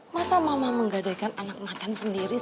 masa mama menggadaikan anak macan sendiri